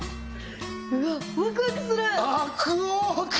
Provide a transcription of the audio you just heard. うわっワクワクするああ黒！